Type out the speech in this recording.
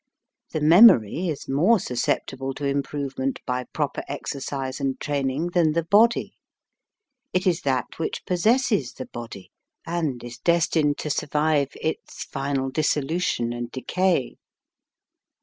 The memory is more susceptible to improvement by proper exercise and training, than the body. It is that which possesses the body, and is de stined to survive its final dissolution and decay.